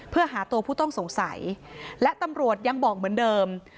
เพื่อหาตัวผู้ต้องสงสัยและตำรวจยังบอกเหมือนเดิม